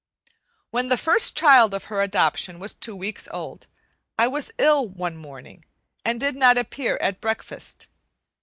When the first child of her adoption was two weeks old, I was ill one morning, and did not appear at breakfast.